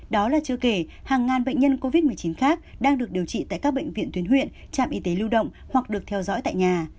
đó là chưa kể hàng ngàn bệnh nhân covid một mươi chín khác đang được điều trị tại các bệnh viện tuyến huyện trạm y tế lưu động hoặc được theo dõi tại nhà